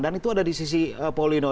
dan itu ada di sisi paulinho